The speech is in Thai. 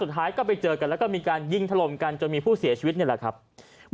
สุดท้ายคงก็ไปเจอกันแล้วก็มีการยิงถล่มยิงจะมีผู้เสียชีวิตแบบนี้